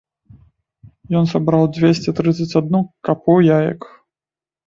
Ён сабраў дзвесце трыццаць адну капу яек.